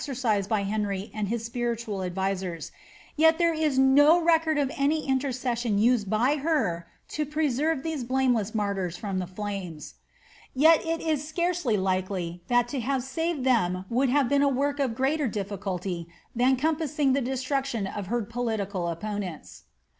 188 deroiu cnielij ezereiaed by Henry and his spiritual adyisers, yet there M no lecord of any intercession used by her to preserve these bhuneless nartyrs from the flames. Yet it is scarcely likely, that to have saved iheni would have been a work, of greater di^iculty than compassing the destruction of her political opponents.